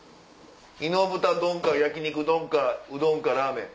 イノブタ丼か焼肉丼かうどんかラーメン。